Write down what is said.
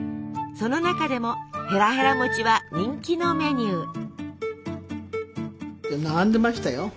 その中でもへらへら餅は人気のメニュー。